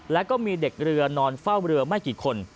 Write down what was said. แล้วก็มีเด็กเรือนอนเฝ้าเรือไม่กี่คน